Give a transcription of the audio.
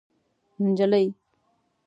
نجلۍ